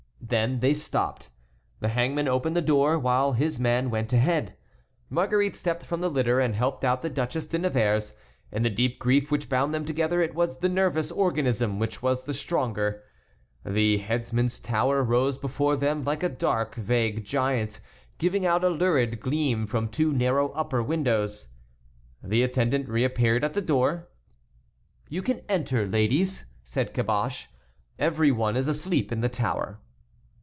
Then they stopped. The hangman opened the door, while his man went ahead. Marguerite stepped from the litter and helped out the Duchesse de Nevers. In the deep grief which bound them together it was the nervous organism which was the stronger. The headsman's tower rose before them like a dark, vague giant, giving out a lurid gleam from two narrow upper windows. The attendant reappeared at the door. "You can enter, ladies," said Caboche; "every one is asleep in the tower."